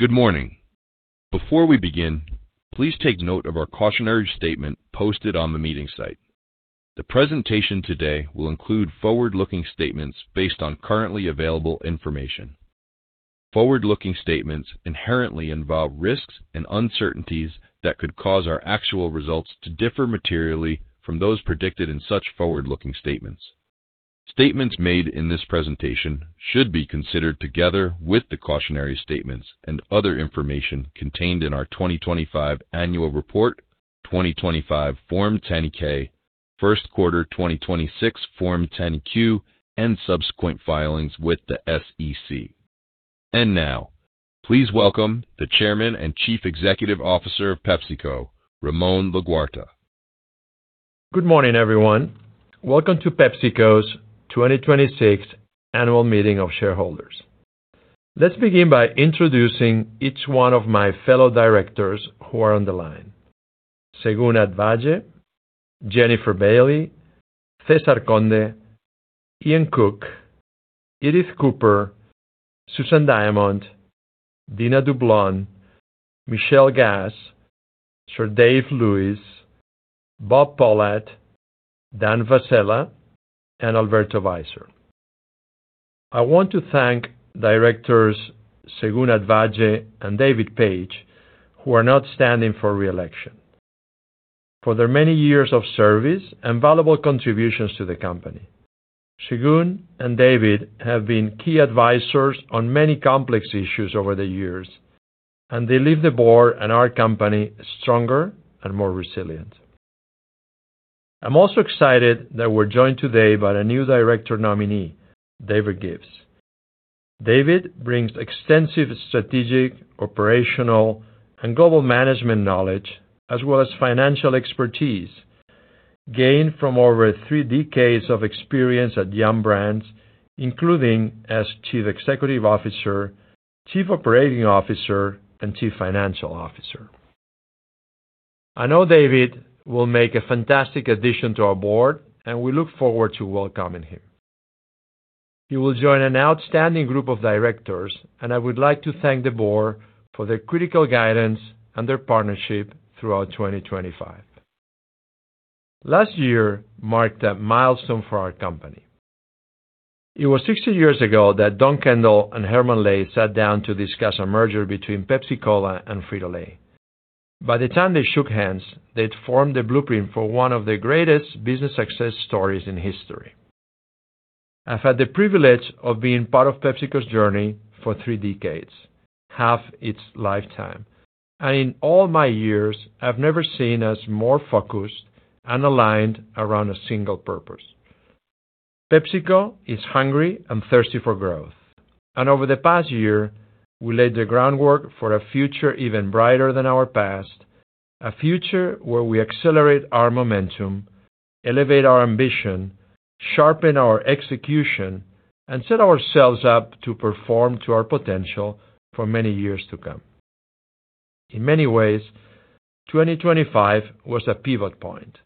Good morning. Before we begin, please take note of our cautionary statement posted on the meeting site. The presentation today will include forward-looking statements based on currently available information. Forward-looking statements inherently involve risks and uncertainties that could cause our actual results to differ materially from those predicted in such forward-looking statements. Statements made in this presentation should be considered together with the cautionary statements and other information contained in our 2025 annual report, 2025 Form 10-K, first quarter 2026 Form 10-Q, and subsequent filings with the SEC. Now, please welcome the Chairman and Chief Executive Officer of PepsiCo, Ramon Laguarta. Good morning, everyone. Welcome to PepsiCo's 2026 Annual Meeting of Shareholders. Let's begin by introducing each one of my fellow directors who are on the line. Segun Agbaje, Jennifer Bailey, Cesar Conde, Ian Cook, Edith Cooper, Susan Diamond, Dina Dublon, Michelle Gass, Sir Dave Lewis, Robert C. Pohlad, Daniel Vasella, and Alberto Weisser. I want to thank directors Segun Agbaje and David Page, who are not standing for re-election, for their many years of service and valuable contributions to the company. Segun and David have been key advisors on many complex issues over the years, and they leave the board and our company stronger and more resilient. I'm also excited that we're joined today by a new director nominee, David Gibbs. David brings extensive strategic, operational, and global management knowledge as well as financial expertise gained from over 3 decades of experience at Yum! Brands, including as Chief Executive Officer, Chief Operating Officer, and Chief Financial Officer. I know David will make a fantastic addition to our board, and we look forward to welcoming him. He will join an outstanding group of directors, and I would like to thank the board for their critical guidance and their partnership throughout 2025. Last year marked a milestone for our company. It was 60 years ago that Don Kendall and Herman Lay sat down to discuss a merger between Pepsi-Cola and Frito-Lay. By the time they shook hands, they'd formed the blueprint for one of the greatest business success stories in history. I've had the privilege of being part of PepsiCo's journey for three decades, half its lifetime, and in all my years, I've never seen us more focused and aligned around a single purpose. PepsiCo is hungry and thirsty for growth, and over the past year, we laid the groundwork for a future even brighter than our past, a future where we accelerate our momentum, elevate our ambition, sharpen our execution, and set ourselves up to perform to our potential for many years to come. In many ways, 2025 was a pivot point.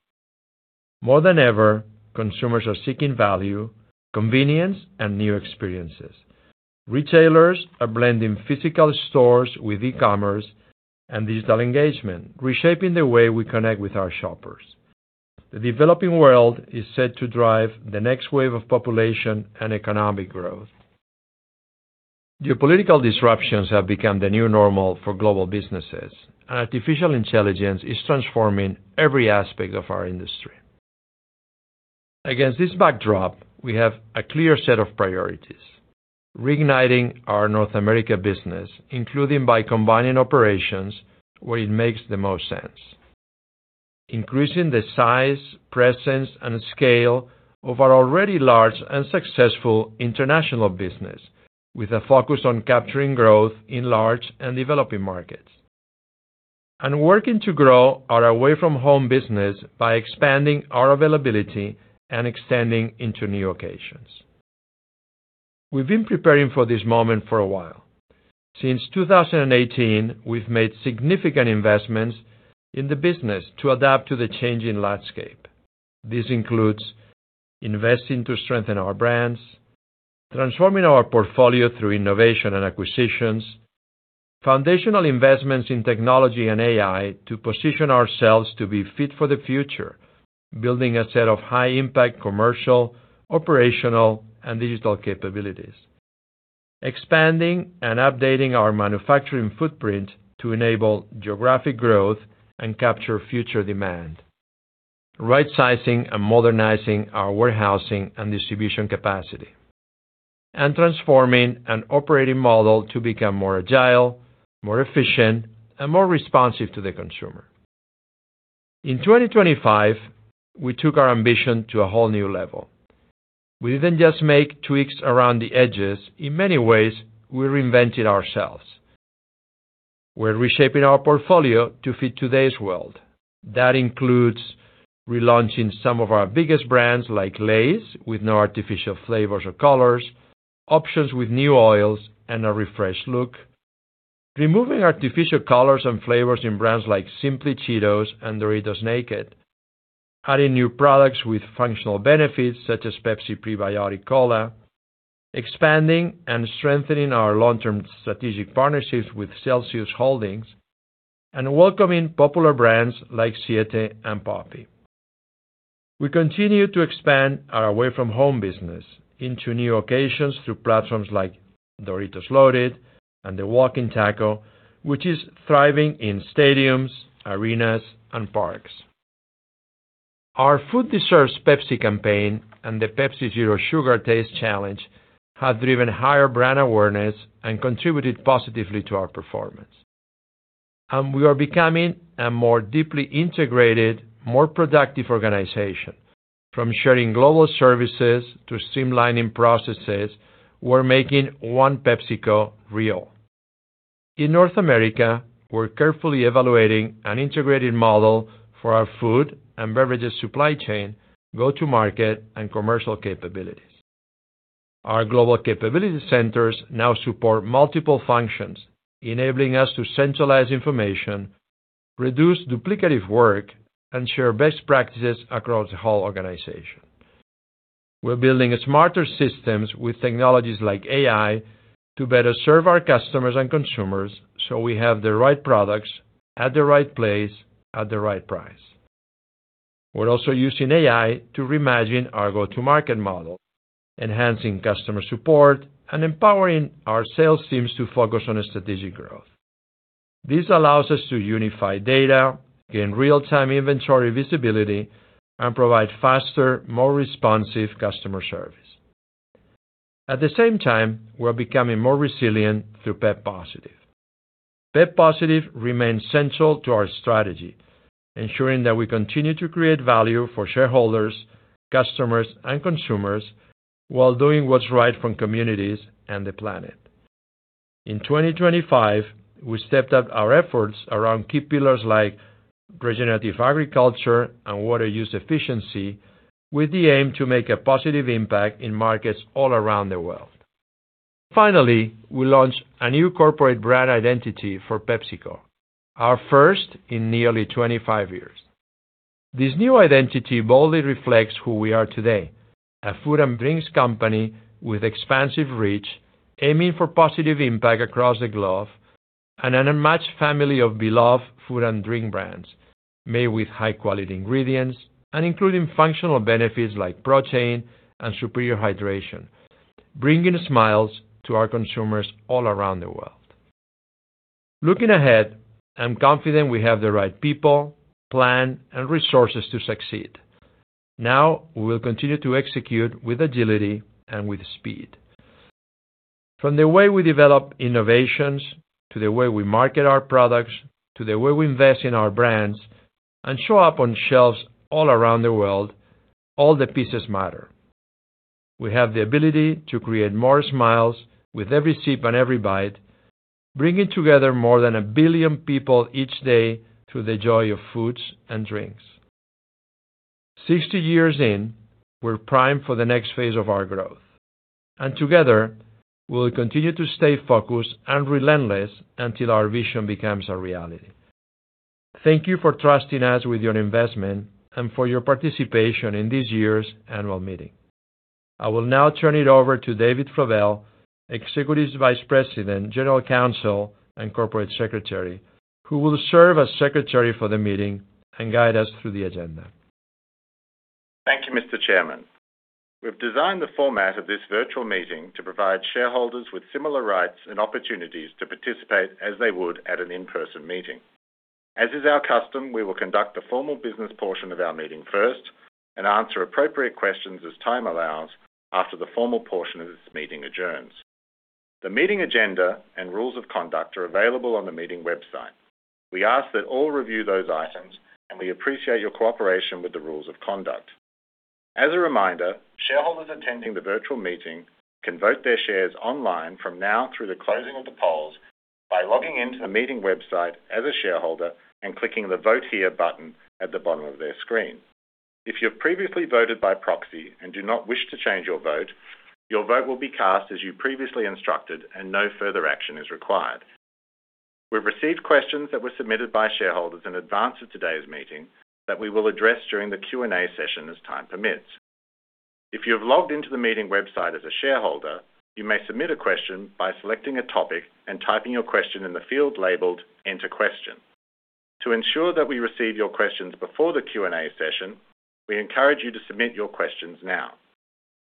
More than ever, consumers are seeking value, convenience, and new experiences. Retailers are blending physical stores with e-commerce and digital engagement, reshaping the way we connect with our shoppers. The developing world is set to drive the next wave of population and economic growth. Geopolitical disruptions have become the new normal for global businesses, and artificial intelligence is transforming every aspect of our industry. Against this backdrop, we have a clear set of priorities. Reigniting our North America business, including by combining operations where it makes the most sense. Increasing the size, presence, and scale of our already large and successful international business with a focus on capturing growth in large and developing markets. Working to grow our away-from-home business by expanding our availability and extending into new locations. We've been preparing for this moment for a while. Since 2018, we've made significant investments in the business to adapt to the changing landscape. This includes investing to strengthen our brands, transforming our portfolio through innovation and acquisitions, foundational investments in technology and AI to position ourselves to be fit for the future, building a set of high-impact commercial, operational, and digital capabilities. Expanding and updating our manufacturing footprint to enable geographic growth and capture future demand. Right-sizing and modernizing our warehousing and distribution capacity, and transforming an operating model to become more agile, more efficient, and more responsive to the consumer. In 2025, we took our ambition to a whole new level. We didn't just make tweaks around the edges. In many ways, we reinvented ourselves. We're reshaping our portfolio to fit today's world. That includes relaunching some of our biggest brands like Lay's with no artificial flavors or colors, options with new oils and a refreshed look. Removing artificial colors and flavors in brands like Simply CHEETOS and Doritos Simply NKD. Adding new products with functional benefits such as Pepsi Prebiotic Cola, expanding and strengthening our long-term strategic partnerships with Celsius Holdings, and welcoming popular brands like Siete and poppi. We continue to expand our away-from-home business into new occasions through platforms like Doritos Loaded and The Walking Taco, which is thriving in stadiums, arenas, and parks. Our Food Deserves Pepsi campaign and the Pepsi Zero Sugar Taste Challenge have driven higher brand awareness and contributed positively to our performance. We are becoming a more deeply integrated, more productive organization. From sharing global services to streamlining processes, we're making one PepsiCo real. In North America, we're carefully evaluating an integrated model for our food and beverages supply chain, go-to-market, and commercial capabilities. Our global capability centers now support multiple functions, enabling us to centralize information, reduce duplicative work, and share best practices across the whole organization. We're building smarter systems with technologies like AI to better serve our customers and consumers, so we have the right products at the right place at the right price. We're also using AI to reimagine our go-to-market model, enhancing customer support and empowering our sales teams to focus on strategic growth. This allows us to unify data, gain real-time inventory visibility, and provide faster, more responsive customer service. At the same time, we're becoming more resilient through pep+. pep+ remains central to our strategy, ensuring that we continue to create value for shareholders, customers, and consumers while doing what's right for communities and the planet. In 2025, we stepped up our efforts around key pillars like regenerative agriculture and water use efficiency with the aim to make a positive impact in markets all around the world. Finally, we launched a new corporate brand identity for PepsiCo, our first in nearly 25 years. This new identity boldly reflects who we are today, a food and drinks company with expansive reach, aiming for positive impact across the globe, and an unmatched family of beloved food and drink brands made with high-quality ingredients and including functional benefits like protein and superior hydration, bringing smiles to our consumers all around the world. Looking ahead, I'm confident we have the right people, plan, and resources to succeed. Now, we will continue to execute with agility and with speed. From the way we develop innovations to the way we market our products, to the way we invest in our brands and show up on shelves all around the world, all the pieces matter. We have the ability to create more smiles with every sip and every bite, bringing together more than 1 billion people each day through the joy of foods and drinks. 60 years in, we're primed for the next phase of our growth. Together, we'll continue to stay focused and relentless until our vision becomes a reality. Thank you for trusting us with your investment and for your participation in this year's annual meeting. I will now turn it over to David Flavell, Executive Vice President, General Counsel, and Corporate Secretary, who will serve as Secretary for the meeting and guide us through the agenda. Thank you, Mr. Chairman. We've designed the format of this virtual meeting to provide shareholders with similar rights and opportunities to participate as they would at an in-person meeting. As is our custom, we will conduct the formal business portion of our meeting first and answer appropriate questions as time allows after the formal portion of this meeting adjourns. The meeting agenda and rules of conduct are available on the meeting website. We ask that all review those items, and we appreciate your cooperation with the rules of conduct. As a reminder, shareholders attending the virtual meeting can vote their shares online from now through the closing of the polls by logging into the meeting website as a shareholder and clicking the Vote Here button at the bottom of their screen. If you've previously voted by proxy and do not wish to change your vote, your vote will be cast as you previously instructed and no further action is required. We've received questions that were submitted by shareholders in advance of today's meeting that we will address during the Q&A session as time permits. If you have logged into the meeting website as a shareholder, you may submit a question by selecting a topic and typing your question in the field labeled Enter Question. To ensure that we receive your questions before the Q&A session, we encourage you to submit your questions now.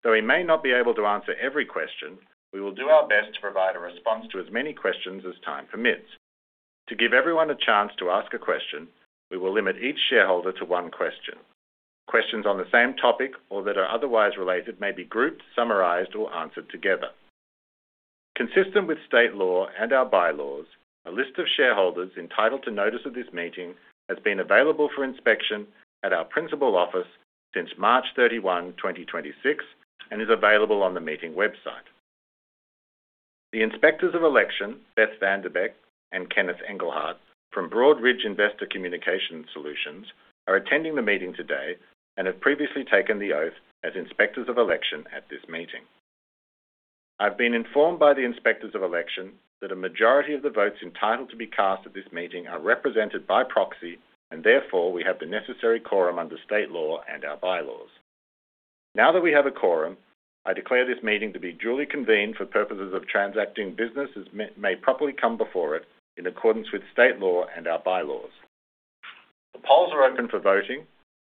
Though we may not be able to answer every question, we will do our best to provide a response to as many questions as time permits. To give everyone a chance to ask a question, we will limit each shareholder to one question. Questions on the same topic or that are otherwise related may be grouped, summarized, or answered together. Consistent with state law and our bylaws, a list of shareholders entitled to notice of this meeting has been available for inspection at our principal office since March 31, 2026, and is available on the meeting website. The Inspectors of Election, Beth VanDerbeck and Ken Engelhart from Broadridge Investor Communication Solutions, are attending the meeting today and have previously taken the oath as Inspectors of Election at this meeting. I've been informed by the inspectors of election that a majority of the votes entitled to be cast at this meeting are represented by proxy, and therefore, we have the necessary quorum under state law and our bylaws. Now that we have a quorum, I declare this meeting to be duly convened for purposes of transacting businesses may properly come before it in accordance with state law and our bylaws. The polls are open for voting.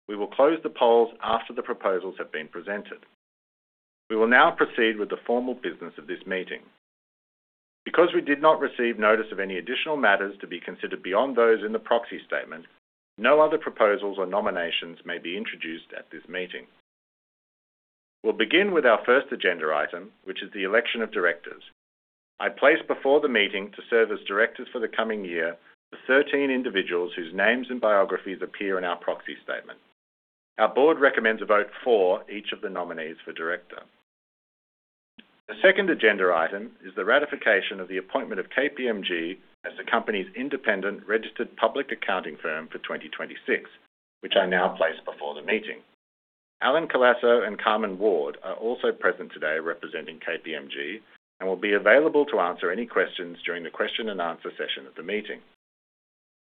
We will close the polls after the proposals have been presented. We will now proceed with the formal business of this meeting. Because we did not receive notice of any additional matters to be considered beyond those in the proxy statement, no other proposals or nominations may be introduced at this meeting. We'll begin with our first agenda item, which is the election of directors. I place before the meeting to serve as directors for the coming year, the 13 individuals whose names and biographies appear in our proxy statement. Our board recommends a vote for each of the nominees for director. The second agenda item is the ratification of the appointment of KPMG as the company's independent registered public accounting firm for 2026, which I now place before the meeting. Allan Colaco and Karmen Ward are also present today representing KPMG and will be available to answer any questions during the question and answer session of the meeting.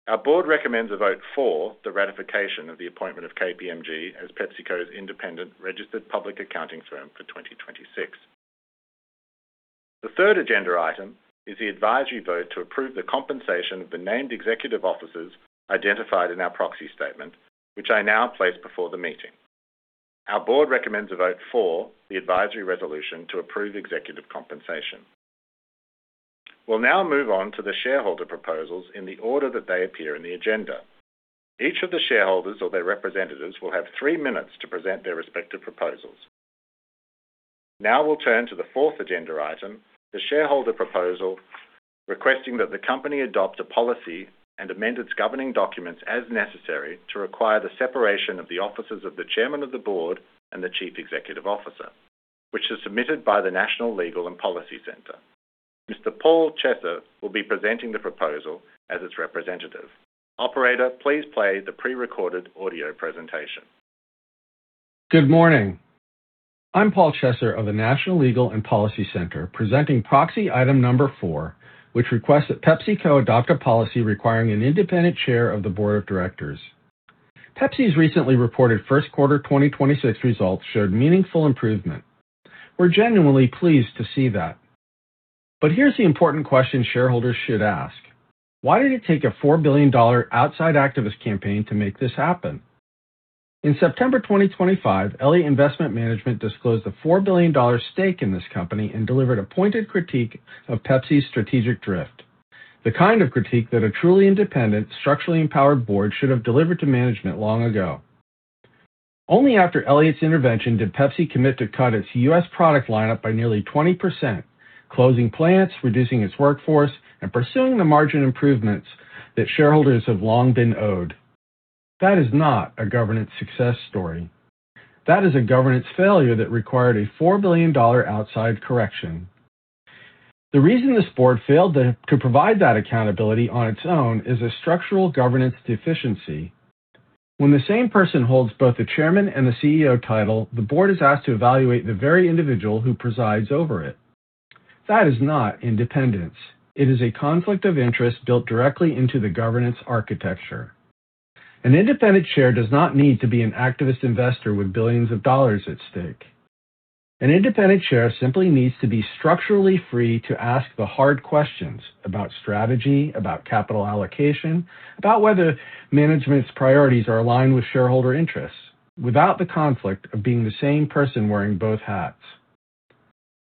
Our board recommends a vote for the ratification of the appointment of KPMG as PepsiCo's independent registered public accounting firm for 2026. The third agenda item is the advisory vote to approve the compensation of the named executive officers identified in our proxy statement, which I now place before the meeting. Our board recommends a vote for the advisory resolution to approve executive compensation. We'll now move on to the shareholder proposals in the order that they appear in the agenda. Each of the shareholders or their representatives will have 3 minutes to present their respective proposals. Now we'll turn to the fourth agenda item, the shareholder proposal, requesting that the company adopt a policy and amend its governing documents as necessary to require the separation of the offices of the chairman of the board and the chief executive officer, which is submitted by the National Legal and Policy Center. Mr. Paul Chesser will be presenting the proposal as its representative. Operator, please play the pre-recorded audio presentation. Good morning. I'm Paul Chesser of the National Legal and Policy Center, presenting proxy item number 4, which requests that PepsiCo adopt a policy requiring an independent chair of the board of directors. Pepsi's recently reported first quarter 2026 results showed meaningful improvement. We're genuinely pleased to see that. Here's the important question shareholders should ask: Why did it take a $4 billion outside activist campaign to make this happen? In September 2025, Elliott Investment Management disclosed a $4 billion stake in this company and delivered a pointed critique of Pepsi's strategic drift, the kind of critique that a truly independent, structurally empowered board should have delivered to management long ago. Only after Elliott's intervention did Pepsi commit to cut its U.S. product lineup by nearly 20%, closing plants, reducing its workforce, and pursuing the margin improvements that shareholders have long been owed. That is not a governance success story. That is a governance failure that required a $4 billion outside correction. The reason this board failed to provide that accountability on its own is a structural governance deficiency. When the same person holds both the Chairman and the CEO title, the board is asked to evaluate the very individual who presides over it. That is not independence. It is a conflict of interest built directly into the governance architecture. An independent chair does not need to be an activist investor with billions of dollars at stake. An independent chair simply needs to be structurally free to ask the hard questions about strategy, about capital allocation, about whether management's priorities are aligned with shareholder interests, without the conflict of being the same person wearing both hats.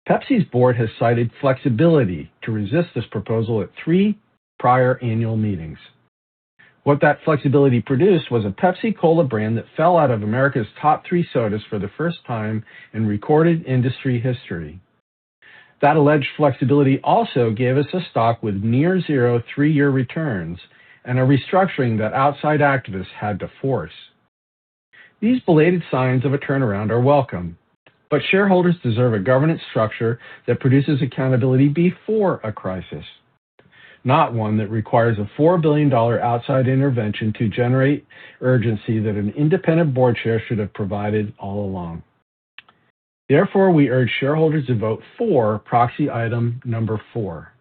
PepsiCo's board has cited flexibility to resist this proposal at three prior annual meetings. What that flexibility produced was a Pepsi Cola brand that fell out of America's top three sodas for the first time in recorded industry history. That alleged flexibility also gave us a stock with near zero 3-year returns and a restructuring that outside activists had to force. These belated signs of a turnaround are welcome, but shareholders deserve a governance structure that produces accountability before a crisis, not one that requires a $4 billion outside intervention to generate urgency that an independent board chair should have provided all along. Therefore, we urge shareholders to vote for proxy item number 4.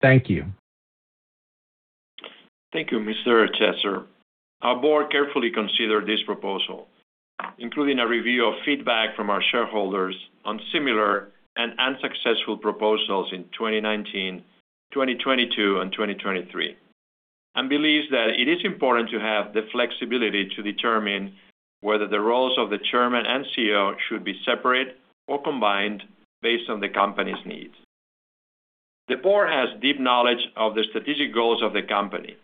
Thank you. Thank you, Mr. Chesser. Our board carefully considered this proposal, including a review of feedback from our shareholders on similar and unsuccessful proposals in 2019, 2022, and 2023, and believes that it is important to have the flexibility to determine whether the roles of the chairman and CEO should be separate or combined based on the company's needs. The board has deep knowledge of the strategic goals of the company,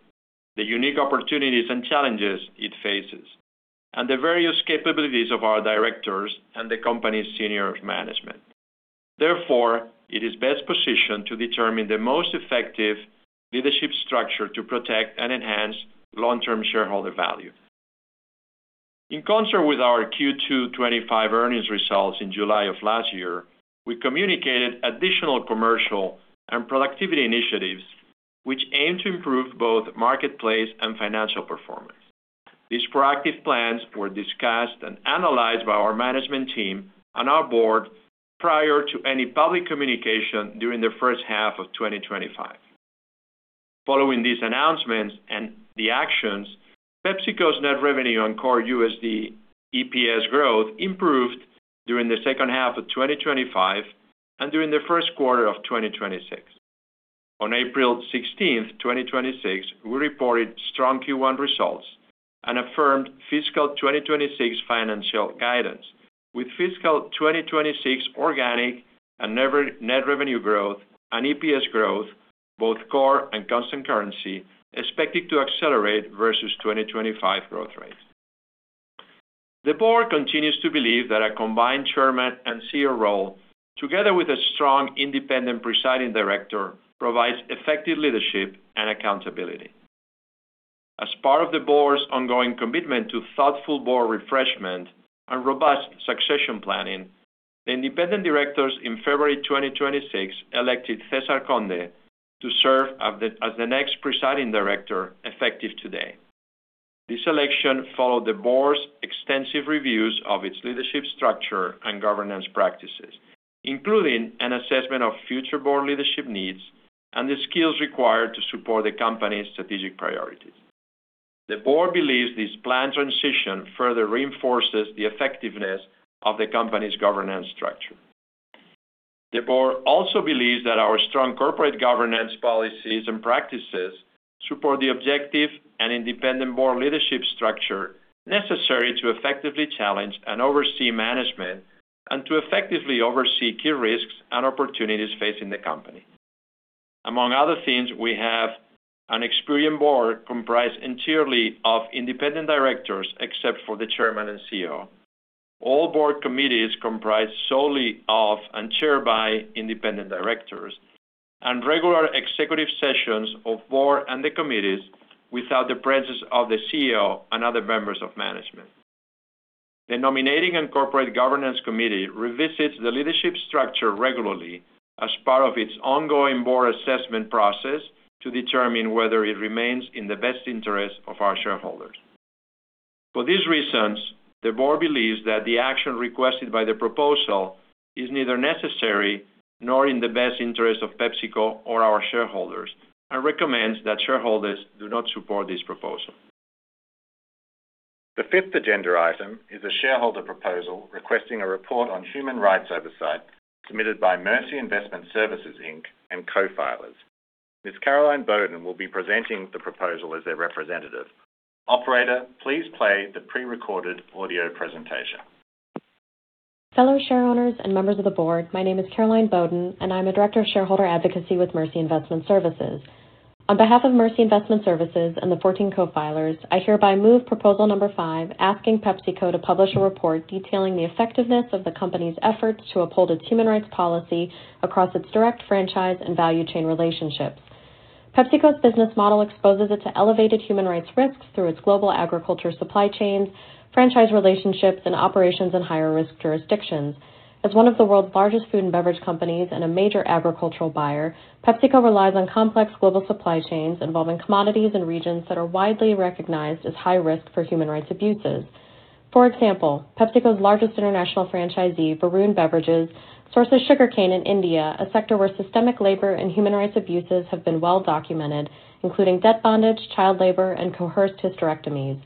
the unique opportunities and challenges it faces, and the various capabilities of our directors and the company's senior management. Therefore, it is best positioned to determine the most effective leadership structure to protect and enhance long-term shareholder value. In concert with our Q2 2025 earnings results in July of last year, we communicated additional commercial and productivity initiatives which aim to improve both marketplace and financial performance. These proactive plans were discussed and analyzed by our management team and our board prior to any public communication during the first half of 2025. Following these announcements and the actions, PepsiCo's net revenue on core USD EPS growth improved during the second half of 2025 and during the first quarter of 2026. On April 16, 2026, we reported strong Q1 results and affirmed fiscal 2026 financial guidance, with fiscal 2026 organic and net revenue growth and EPS growth, both core and constant currency, expected to accelerate versus 2025 growth rates. The board continues to believe that a combined Chairman and CEO role, together with a strong independent Presiding Director, provides effective leadership and accountability. As part of the board's ongoing commitment to thoughtful board refreshment and robust succession planning, the independent directors in February 2026 elected Cesar Conde to serve as the next presiding director, effective today. This election followed the board's extensive reviews of its leadership structure and governance practices, including an assessment of future board leadership needs and the skills required to support the company's strategic priorities. The board believes this planned transition further reinforces the effectiveness of the company's governance structure. The board also believes that our strong corporate governance policies and practices support the objective and independent board leadership structure necessary to effectively challenge and oversee management and to effectively oversee key risks and opportunities facing the company. Among other things, we have an experienced board comprised entirely of independent directors, except for the Chairman and CEO. All board committees comprised solely of and chaired by independent directors, and regular executive sessions of board and the committees without the presence of the CEO and other members of management. The Nominating and Corporate Governance Committee revisits the leadership structure regularly as part of its ongoing board assessment process to determine whether it remains in the best interest of our shareholders. For these reasons, the board believes that the action requested by the proposal is neither necessary nor in the best interest of PepsiCo or our shareholders and recommends that shareholders do not support this proposal. The fifth agenda item is a shareholder proposal requesting a report on human rights oversight submitted by Mercy Investment Services, Inc. and co-filers. Ms. Caroline Boden will be presenting the proposal as their representative. Operator, please play the pre-recorded audio presentation. Fellow shareholders and members of the board, my name is Caroline Boden, and I'm a director of Shareholder Advocacy with Mercy Investment Services. On behalf of Mercy Investment Services and the 14 co-filers, I hereby move proposal number 5, asking PepsiCo to publish a report detailing the effectiveness of the company's efforts to uphold its human rights policy across its direct franchise and value chain relationships. PepsiCo's business model exposes it to elevated human rights risks through its global agriculture supply chains, franchise relationships, and operations in higher-risk jurisdictions. As one of the world's largest food and beverage companies and a major agricultural buyer, PepsiCo relies on complex global supply chains involving commodities in regions that are widely recognized as high risk for human rights abuses. For example, PepsiCo's largest international franchisee, Varun Beverages, sources sugarcane in India, a sector where systemic labor and human rights abuses have been well documented, including debt bondage, child labor, and coerced hysterectomies.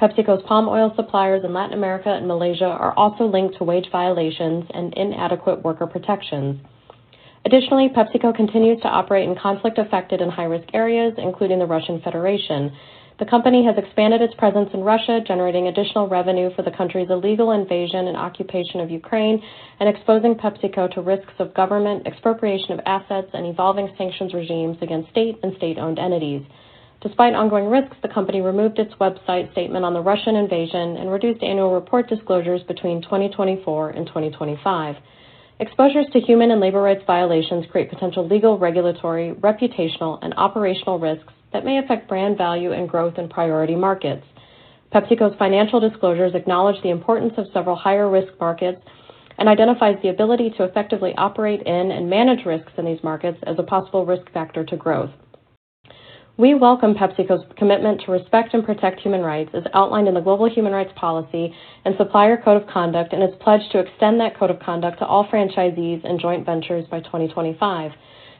PepsiCo's palm oil suppliers in Latin America and Malaysia are also linked to wage violations and inadequate worker protections. Additionally, PepsiCo continues to operate in conflict-affected and high-risk areas, including the Russian Federation. The company has expanded its presence in Russia, generating additional revenue for the country's illegal invasion and occupation of Ukraine, and exposing PepsiCo to risks of government expropriation of assets and evolving sanctions regimes against state and state-owned entities. Despite ongoing risks, the company removed its website statement on the Russian invasion and reduced annual report disclosures between 2024 and 2025. Exposures to human and labor rights violations create potential legal, regulatory, reputational, and operational risks that may affect brand value and growth in priority markets. PepsiCo's financial disclosures acknowledge the importance of several higher-risk markets and identifies the ability to effectively operate in and manage risks in these markets as a possible risk factor to growth. We welcome PepsiCo's commitment to respect and protect human rights, as outlined in the Global Human Rights Policy and Supplier Code of Conduct, and has pledged to extend that code of conduct to all franchisees and joint ventures by 2025.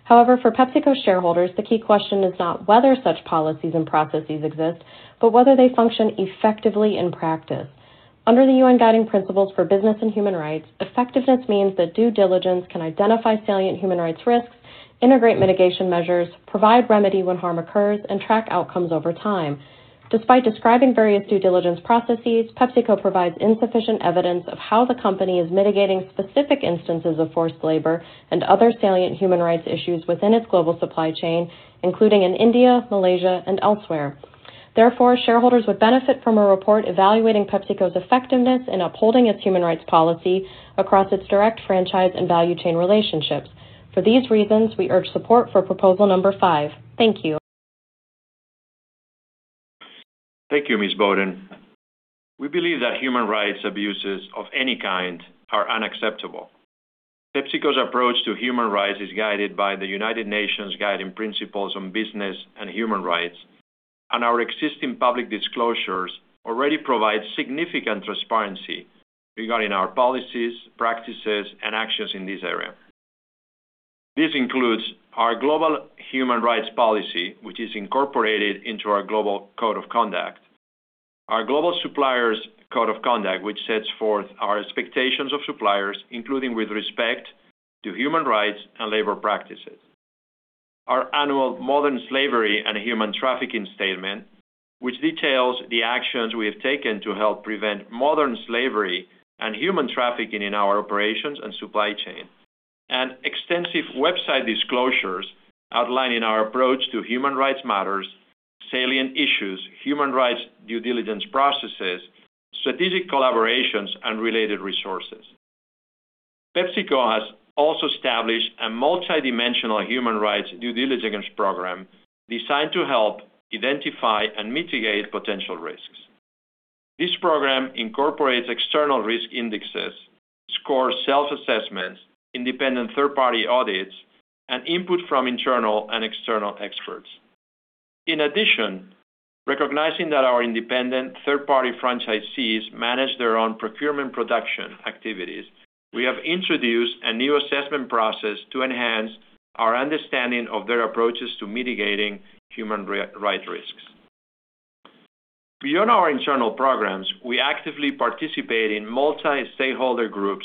For PepsiCo shareholders, the key question is not whether such policies and processes exist, but whether they function effectively in practice. Under the UN Guiding Principles on Business and Human Rights, effectiveness means that due diligence can identify salient human rights risks, integrate mitigation measures, provide remedy when harm occurs, and track outcomes over time. Despite describing various due diligence processes, PepsiCo provides insufficient evidence of how the company is mitigating specific instances of forced labor and other salient human rights issues within its global supply chain, including in India, Malaysia, and elsewhere. Shareholders would benefit from a report evaluating PepsiCo's effectiveness in upholding its human rights policy across its direct franchise and value chain relationships. For these reasons, we urge support for proposal number 5. Thank you. Thank you, Ms. Boden. We believe that human rights abuses of any kind are unacceptable. PepsiCo's approach to human rights is guided by the United Nations Guiding Principles on Business and Human Rights, and our existing public disclosures already provide significant transparency regarding our policies, practices, and actions in this area. This includes our Global Human Rights Policy, which is incorporated into our Global Code of Conduct. Our Global Suppliers Code of Conduct, which sets forth our expectations of suppliers, including with respect to human rights and labor practices. Our Annual Modern Slavery and Human Trafficking Statement, which details the actions we have taken to help prevent modern slavery and human trafficking in our operations and supply chain. Extensive website disclosures outlining our approach to human rights matters, salient issues, human rights due diligence processes, strategic collaborations, and related resources. PepsiCo has also established a multidimensional human rights due diligence program designed to help identify and mitigate potential risks. This program incorporates external risk indexes, scores self-assessments, independent third-party audits, and input from internal and external experts. Recognizing that our independent third-party franchisees manage their own procurement production activities, we have introduced a new assessment process to enhance our understanding of their approaches to mitigating human rights risks. Beyond our internal programs, we actively participate in multi-stakeholder groups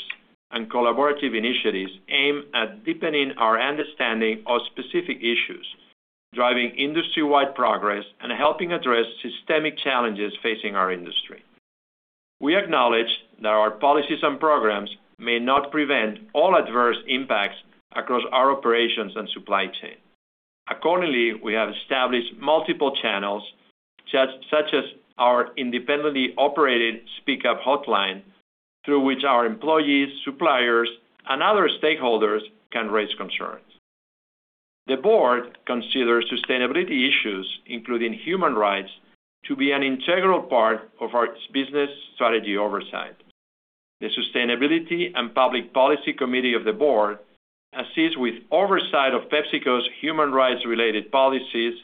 and collaborative initiatives aimed at deepening our understanding of specific issues, driving industry-wide progress, and helping address systemic challenges facing our industry. We acknowledge that our policies and programs may not prevent all adverse impacts across our operations and supply chain. We have established multiple channels, such as our independently operated Speak Up hotline, through which our employees, suppliers, and other stakeholders can raise concerns. The board considers sustainability issues, including human rights, to be an integral part of our business strategy oversight. The Sustainability and Public Policy Committee of the board assists with oversight of PepsiCo's human rights-related policies,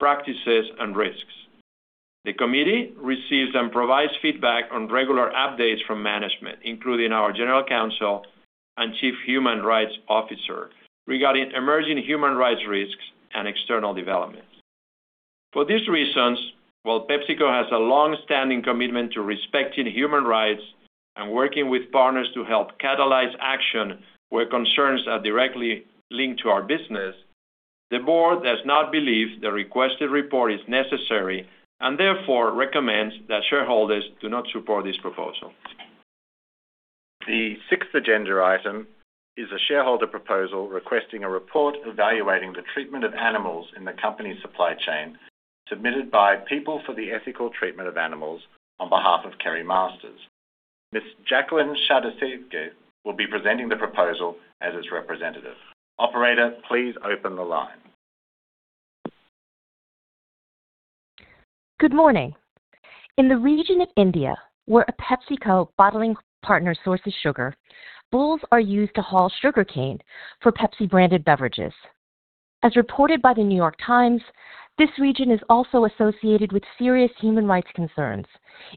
practices, and risks. The committee receives and provides feedback on regular updates from management, including our general counsel and chief human rights officer regarding emerging human rights risks and external developments. For these reasons, while PepsiCo has a long-standing commitment to respecting human rights and working with partners to help catalyze action where concerns are directly linked to our business, the board does not believe the requested report is necessary and therefore recommends that shareholders do not support this proposal. The sixth agenda item is a shareholder proposal requesting a report evaluating the treatment of animals in the company's supply chain submitted by People for the Ethical Treatment of Animals on behalf of Kerry Masters. Ms. Jacqueline Sgaglione will be presenting the proposal as its representative. Operator, please open the line. Good morning. In the region of India where a PepsiCo bottling partner sources sugar, bulls are used to haul sugarcane for Pepsi-branded beverages. As reported by The New York Times, this region is also associated with serious human rights concerns,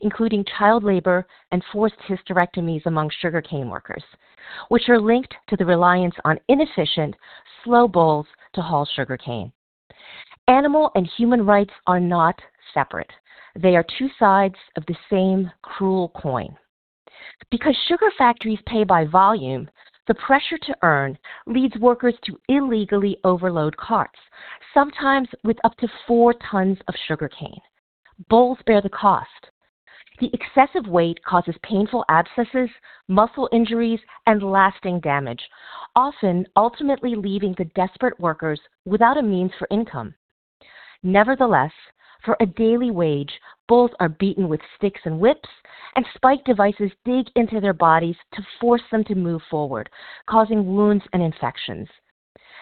including child labor and forced hysterectomies among sugarcane workers, which are linked to the reliance on inefficient, slow bulls to haul sugarcane. Animal and human rights are not separate. They are two sides of the same cruel coin. Because sugar factories pay by volume, the pressure to earn leads workers to illegally overload carts, sometimes with up to four tons of sugarcane. Bulls bear the cost. The excessive weight causes painful abscesses, muscle injuries, and lasting damage, often ultimately leaving the desperate workers without a means for income. For a daily wage, bulls are beaten with sticks and whips, and spike devices dig into their bodies to force them to move forward, causing wounds and infections.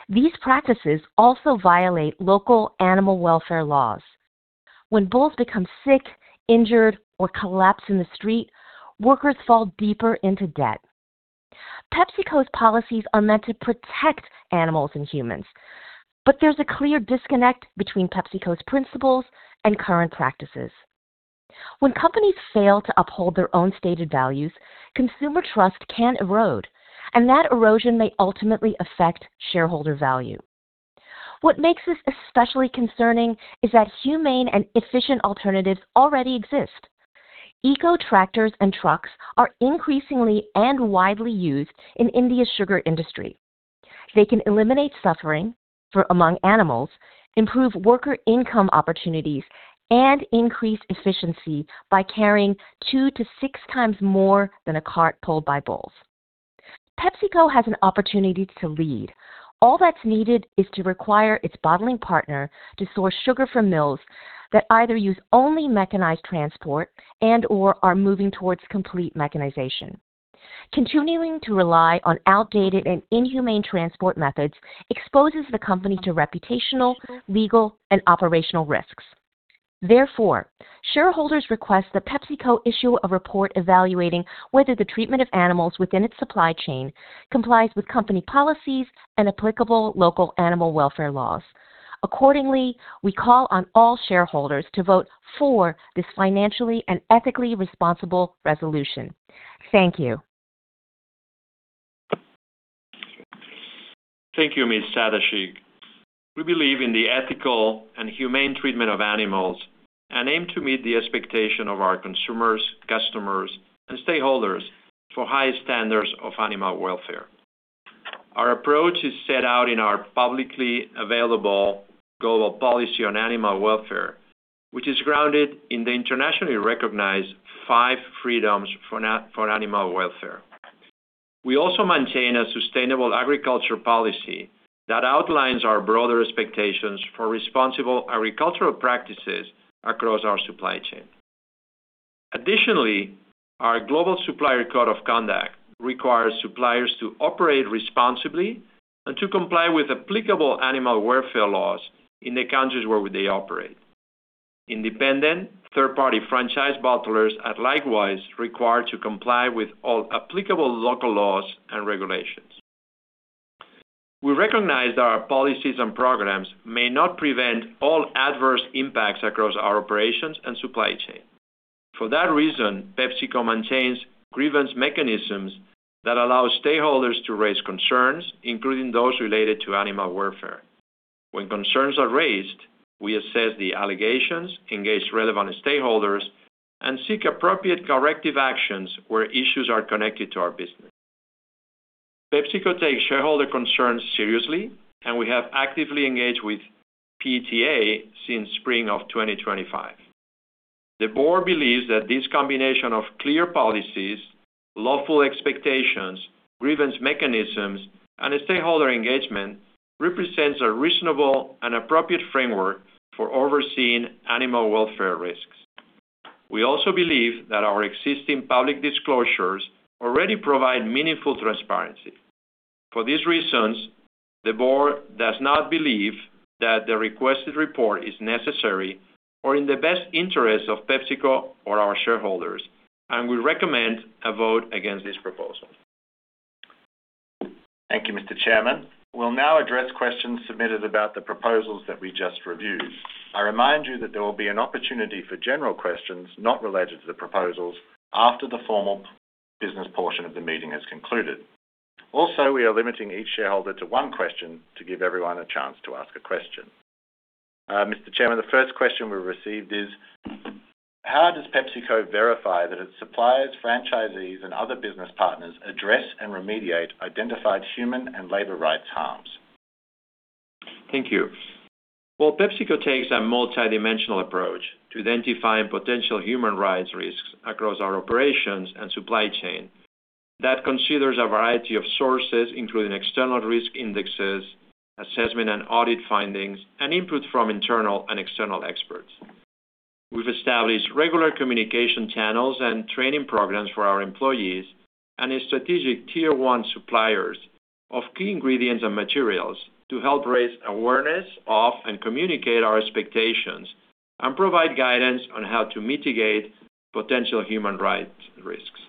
These practices also violate local animal welfare laws. When bulls become sick, injured, or collapse in the street, workers fall deeper into debt. PepsiCo's policies are meant to protect animals and humans, but there's a clear disconnect between PepsiCo's principles and current practices. When companies fail to uphold their own stated values, consumer trust can erode, and that erosion may ultimately affect shareholder value. What makes this especially concerning is that humane and efficient alternatives already exist. Eco tractors and trucks are increasingly and widely used in India's sugar industry. They can eliminate suffering for among animals, improve worker income opportunities, and increase efficiency by carrying 2 to 6 times more than a cart pulled by bulls. PepsiCo has an opportunity to lead. All that's needed is to require its bottling partner to source sugar from mills that either use only mechanized transport and/or are moving towards complete mechanization. Continuing to rely on outdated and inhumane transport methods exposes the company to reputational, legal, and operational risks. Therefore, shareholders request that PepsiCo issue a report evaluating whether the treatment of animals within its supply chain complies with company policies and applicable local animal welfare laws. Accordingly, we call on all shareholders to vote for this financially and ethically responsible resolution. Thank you. Thank you, Ms. Sgaglione. We believe in the ethical and humane treatment of animals and aim to meet the expectation of our consumers, customers, and stakeholders for high standards of animal welfare. Our approach is set out in our publicly available global policy on animal welfare, which is grounded in the internationally recognized five freedoms for animal welfare. We also maintain a sustainable agriculture policy that outlines our broader expectations for responsible agricultural practices across our supply chain. Additionally, our global supplier code of conduct requires suppliers to operate responsibly and to comply with applicable animal welfare laws in the countries where they operate. Independent third-party franchise bottlers are likewise required to comply with all applicable local laws and regulations. We recognize that our policies and programs may not prevent all adverse impacts across our operations and supply chain. For that reason, PepsiCo maintains grievance mechanisms that allow stakeholders to raise concerns, including those related to animal welfare. When concerns are raised, we assess the allegations, engage relevant stakeholders, and seek appropriate corrective actions where issues are connected to our business. PepsiCo takes shareholder concerns seriously, and we have actively engaged with PETA since spring of 2025. The board believes that this combination of clear policies, lawful expectations, grievance mechanisms, and stakeholder engagement represents a reasonable and appropriate framework for overseeing animal welfare risks. We also believe that our existing public disclosures already provide meaningful transparency. For these reasons, the board does not believe that the requested report is necessary or in the best interest of PepsiCo or our shareholders, and we recommend a vote against this proposal. Thank you, Mr. Chairman. We'll now address questions submitted about the proposals that we just reviewed. I remind you that there will be an opportunity for general questions not related to the proposals after the formal business portion of the meeting has concluded. Also, we are limiting each shareholder to one question to give everyone a chance to ask a question. Mr. Chairman, the first question we've received is, "How does PepsiCo verify that its suppliers, franchisees, and other business partners address and remediate identified human and labor rights harms? Thank you. Well, PepsiCo takes a multidimensional approach to identifying potential human rights risks across our operations and supply chain that considers a variety of sources, including external risk indexes, assessment and audit findings, and input from internal and external experts. We've established regular communication channels and training programs for our employees and strategic tier 1 suppliers of key ingredients and materials to help raise awareness of and communicate our expectations and provide guidance on how to mitigate potential human rights risks.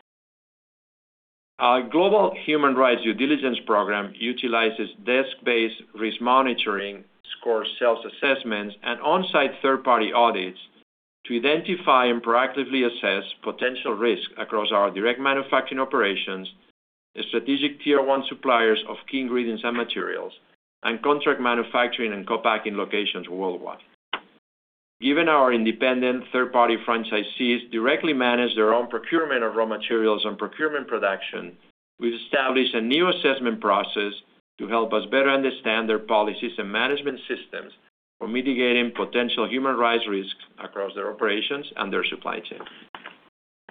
Our global human rights due diligence program utilizes desk-based risk monitoring, score self-assessments, and on-site third-party audits to identify and proactively assess potential risks across our direct manufacturing operations, the strategic tier 1 suppliers of key ingredients and materials, and contract manufacturing and co-packing locations worldwide. Given our independent third-party franchisees directly manage their own procurement of raw materials and procurement production, we've established a new assessment process to help us better understand their policies and management systems for mitigating potential human rights risks across their operations and their supply chain.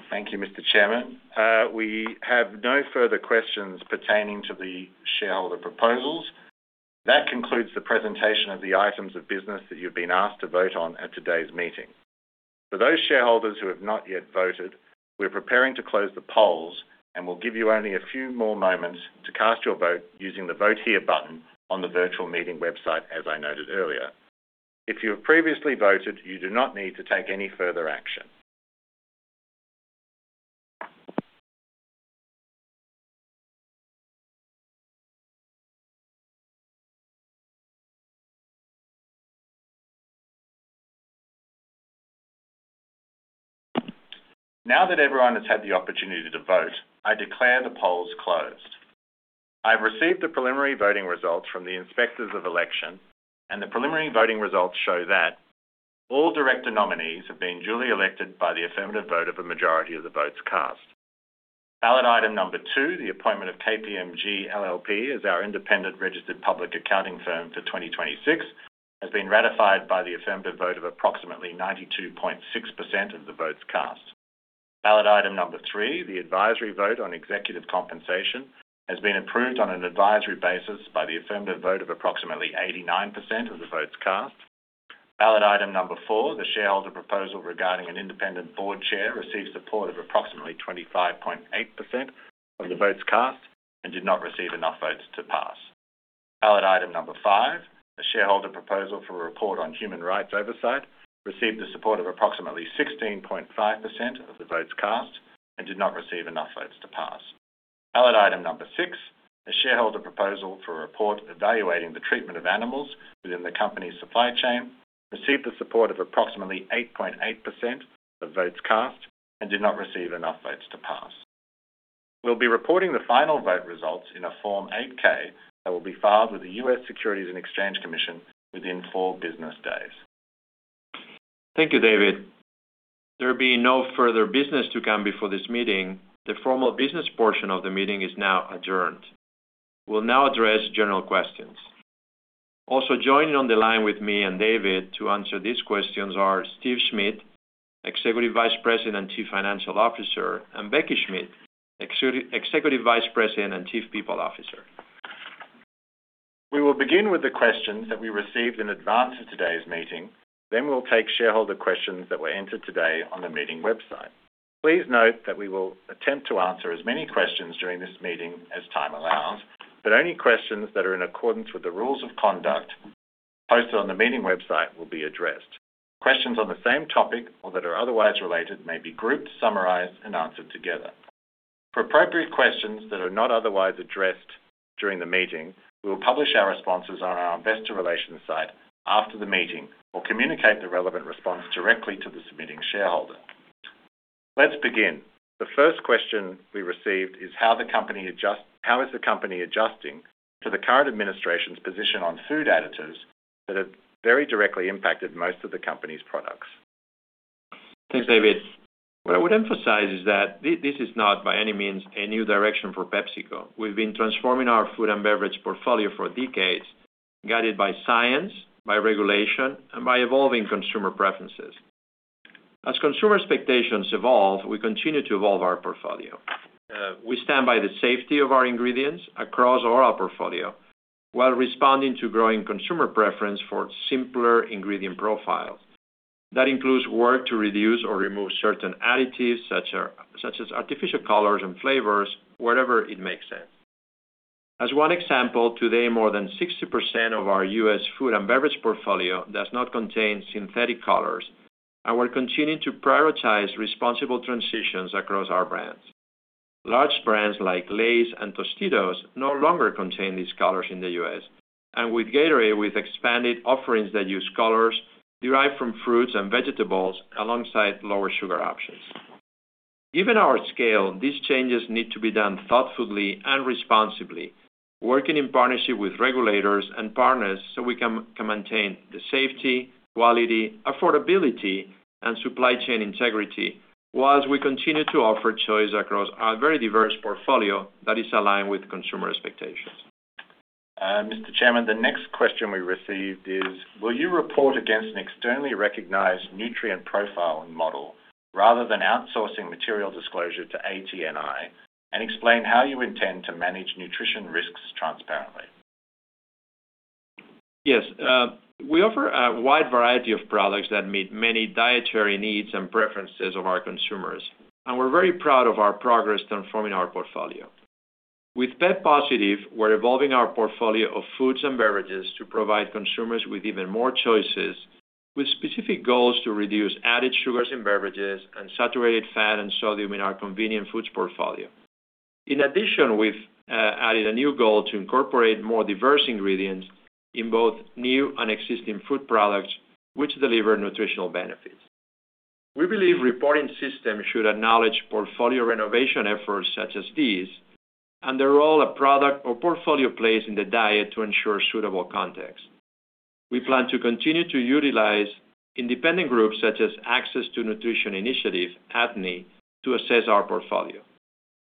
Thank you, Mr. Chairman. We have no further questions pertaining to the shareholder proposals. That concludes the presentation of the items of business that you've been asked to vote on at today's meeting. For those shareholders who have not yet voted, we're preparing to close the polls and will give you only a few more moments to cast your vote using the Vote Here button on the virtual meeting website, as I noted earlier. If you have previously voted, you do not need to take any further action. Now that everyone has had the opportunity to vote, I declare the polls closed. I have received the preliminary voting results from the Inspectors of Election, and the preliminary voting results show that all director nominees have been duly elected by the affirmative vote of a majority of the votes cast. Ballot item number 2, the appointment of KPMG LLP as our independent registered public accounting firm for 2026, has been ratified by the affirmative vote of approximately 92.6% of the votes cast. Ballot item number 3, the advisory vote on executive compensation, has been approved on an advisory basis by the affirmative vote of approximately 89% of the votes cast. Ballot item number 4, the shareholder proposal regarding an independent board chair received support of approximately 25.8% of the votes cast and did not receive enough votes to pass. Ballot item number 5, the shareholder proposal for a report on human rights oversight received the support of approximately 16.5% of the votes cast and did not receive enough votes to pass. Ballot item number 6, the shareholder proposal for a report evaluating the treatment of animals within the company's supply chain received the support of approximately 8.8% of votes cast and did not receive enough votes to pass. We'll be reporting the final vote results in a Form 8-K that will be filed with the U.S. Securities and Exchange Commission within 4 business days. Thank you, David. There being no further business to come before this meeting, the formal business portion of the meeting is now adjourned. We'll now address general questions. Also joining on the line with me and David to answer these questions are Steve Smith, Executive Vice President and Chief Financial Officer, and Becky Schmitt, Executive Vice President and Chief People Officer. We will begin with the questions that we received in advance of today's meeting. Then we'll take shareholder questions that were entered today on the meeting website. Please note that we will attempt to answer as many questions during this meeting as time allows, but only questions that are in accordance with the rules of conduct posted on the meeting website will be addressed. Questions on the same topic or that are otherwise related may be grouped, summarized, and answered together. For appropriate questions that are not otherwise addressed during the meeting, we will publish our responses on our investor relations site after the meeting or communicate the relevant response directly to the submitting shareholder. Let's begin. The first question we received is how is the company adjusting to the current administration's position on food additives that have very directly impacted most of the company's products? Thanks, David. What I would emphasize is that this is not by any means a new direction for PepsiCo. We've been transforming our food and beverage portfolio for decades, guided by science, by regulation, and by evolving consumer preferences. As consumer expectations evolve, we continue to evolve our portfolio. We stand by the safety of our ingredients across all our portfolio, while responding to growing consumer preference for simpler ingredient profiles. That includes work to reduce or remove certain additives, such as artificial colors and flavors wherever it makes sense. As one example, today more than 60% of our U.S. food and beverage portfolio does not contain synthetic colors, and we're continuing to prioritize responsible transitions across our brands. Large brands like Lay's and Tostitos no longer contain these colors in the U.S. With Gatorade, we've expanded offerings that use colors derived from fruits and vegetables alongside lower sugar options. Given our scale, these changes need to be done thoughtfully and responsibly, working in partnership with regulators and partners so we can maintain the safety, quality, affordability, and supply chain integrity, while we continue to offer choice across our very diverse portfolio that is aligned with consumer expectations. Mr. Chairman, the next question we received is, will you report against an externally recognized nutrient profiling model rather than outsourcing material disclosure to ATNI, and explain how you intend to manage nutrition risks transparently? Yes. We offer a wide variety of products that meet many dietary needs and preferences of our consumers, and we're very proud of our progress transforming our portfolio. With pep+, we're evolving our portfolio of foods and beverages to provide consumers with even more choices, with specific goals to reduce added sugars in beverages and saturated fat and sodium in our convenient foods portfolio. In addition, we've added a new goal to incorporate more diverse ingredients in both new and existing food products which deliver nutritional benefits. We believe reporting systems should acknowledge portfolio renovation efforts such as these and the role a product or portfolio plays in the diet to ensure suitable context. We plan to continue to utilize independent groups such as Access to Nutrition Initiative, ATNI, to assess our portfolio.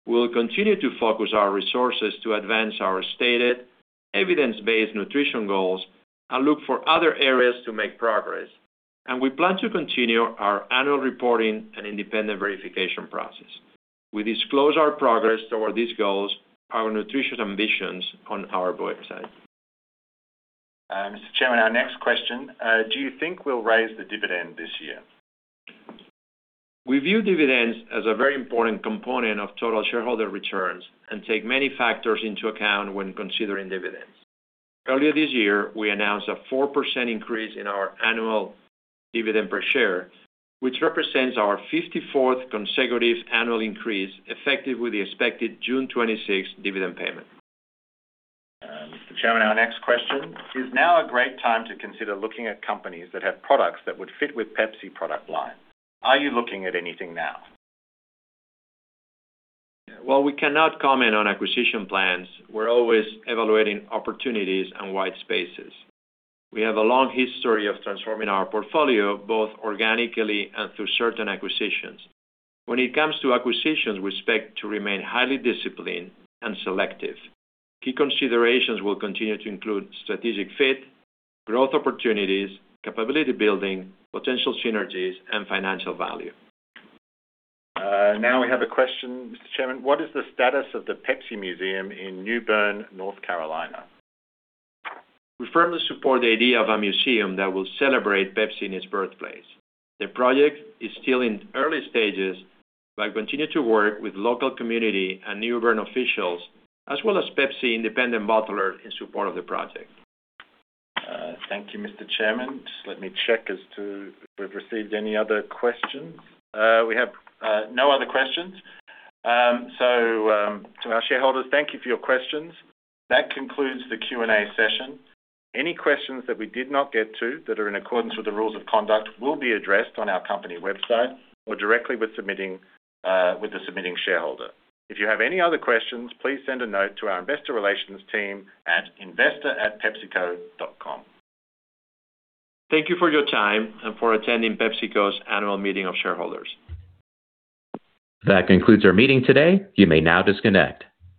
We'll continue to focus our resources to advance our stated evidence-based nutrition goals and look for other areas to make progress, and we plan to continue our annual reporting and independent verification process. We disclose our progress toward these goals, our nutrition ambitions on our website. Mr. Chairman, our next question. Do you think we'll raise the dividend this year? We view dividends as a very important component of total shareholder returns and take many factors into account when considering dividends. Earlier this year, we announced a 4% increase in our annual dividend per share, which represents our 54th consecutive annual increase effective with the expected June 26th dividend payment. Mr. Chairman, our next question. Is now a great time to consider looking at companies that have products that would fit with Pepsi product line? Are you looking at anything now? While we cannot comment on acquisition plans, we're always evaluating opportunities and white spaces. We have a long history of transforming our portfolio, both organically and through certain acquisitions. When it comes to acquisitions, we expect to remain highly disciplined and selective. Key considerations will continue to include strategic fit, growth opportunities, capability building, potential synergies, and financial value. Now we have a question, Mr. Chairman. What is the status of the Pepsi Museum in New Bern, North Carolina? We firmly support the idea of a museum that will celebrate Pepsi in its birthplace. The project is still in early stages, but I continue to work with local community and New Bern officials, as well as Pepsi independent bottlers in support of the project. Thank you, Mr. Chairman. Just let me check as to if we've received any other questions. We have no other questions. To our shareholders, thank you for your questions. That concludes the Q&A session. Any questions that we did not get to that are in accordance with the rules of conduct will be addressed on our company website or directly with submitting with the submitting shareholder. If you have any other questions, please send a note to our investor relations team at investor@pepsico.com. Thank you for your time and for attending PepsiCo's Annual Meeting of Shareholders. That concludes our meeting today. You may now disconnect.